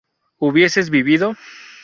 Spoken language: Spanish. ¿hubieses vivido?